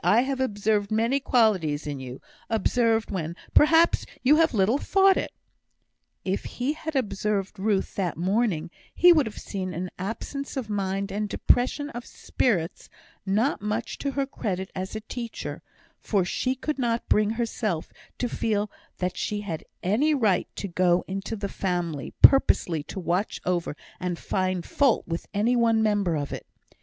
I have observed many qualities in you observed when, perhaps, you have little thought it." If he had observed Ruth that morning, he would have seen an absence of mind, and depression of spirits, not much to her credit as a teacher; for she could not bring herself to feel that she had any right to go into the family purposely to watch over and find fault with any one member of it.